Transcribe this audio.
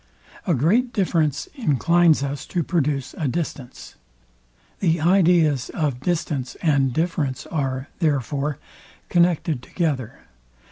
A great difference inclines us to produce a distance. The ideas of distance and difference are, therefore, connected together.